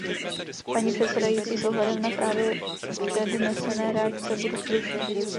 Paní předsedající, s ohledem na právě přednesené reakce budu stručný.